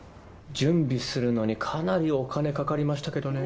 準備するのにかなりお金かかりましたけどね。